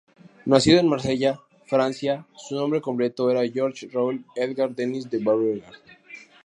Nacido en Marsella, Francia, su nombre completo era Georges Raoul Edgard Denis de Beauregard.